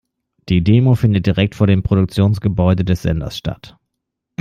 Die Demo findet direkt vor dem Produktionsgebäude des Senders statt.